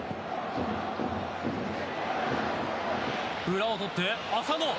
裏を取って浅野。